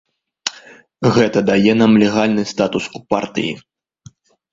Гэта дае нам легальны статус у партыі.